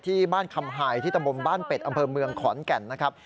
ที่บ้านคำหายที่ตำบลบ้านเป็ดอำเภอเมืองขอนแก่นนะครับ